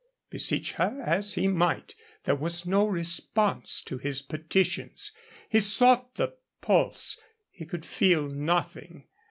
Beseech her as he might, there was no response to his petitions. He sought the pulse; he could feel nothing.